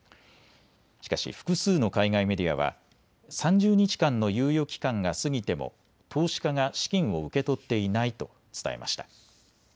しかし複数の海外メディアは３０日間の猶予期間が過ぎても投資家が資金を受け取っていないと伝えました。